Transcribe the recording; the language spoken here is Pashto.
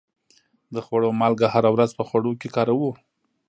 د خوړو مالګه هره ورځ په خوړو کې کاروو.